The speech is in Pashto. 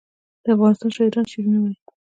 د افغانستان شاعران شعرونه وايي